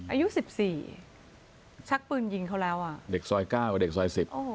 อายุ๑๔ชักปืนยิงเขาแล้วอ่ะเด็กซอย๙กับเด็กซอย๑๐